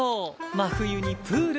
真冬にプール！